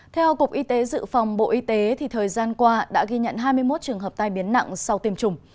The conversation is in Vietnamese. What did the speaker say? theo cục y tế dự phòng bộ y tế thì thời gian qua đã ghi nhận hai mươi một trường hợp tai biến nặng sau tiêm chủng